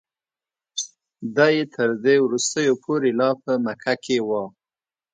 دی تر دې وروستیو پورې لا په مکه کې و.